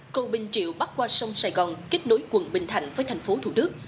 cầu bình triệu bắc qua sông sài gòn kết nối quận bình thạnh với tp thủ đức